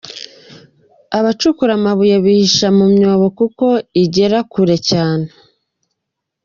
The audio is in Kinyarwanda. Abacukura amabuye bihisha mu myobo kuko igera kure cyane.